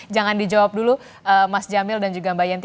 jangan dijawab dulu mas jamil dan juga mbak yenti